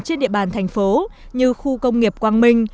trên địa bàn thành phố như khu công nghiệp quang minh